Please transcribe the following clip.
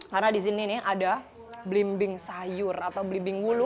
karena disini ada blimbing sayur atau blimbing wulu